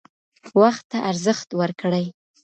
وخت ته ارزښت ورکړئ.